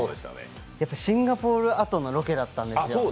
シンガポールあとのロケだったんですよ。